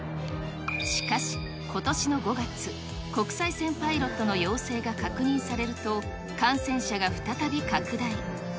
しかし、ことしの５月、国際線パイロットの陽性が確認されると、感染者が再び拡大。